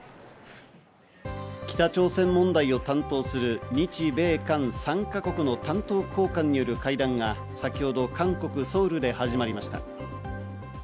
北朝鮮問題を担当する、日米韓３か国の担当高官による会談が先ほど韓国・ソウルで始まりました。